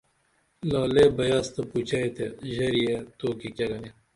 لعلے بیاس تہ پوچئے تہ ژری توکی کیہ گنے